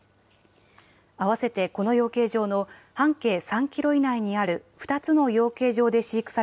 あわせてこの養鶏場の半径３キロ以内にある２つの養鶏場で飼育さ